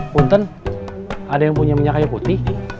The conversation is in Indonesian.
punten ada yang punya minyak kayu putih